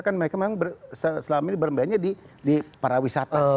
kan mereka memang selama ini bermainnya di para wisata